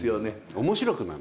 面白くなる。